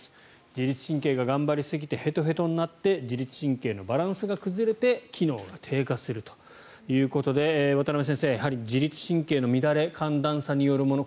自律神経が頑張りすぎてへとへとになって自律神経のバランスが崩れて機能が低下するということで渡邊先生、自律神経の乱れ寒暖差によるもの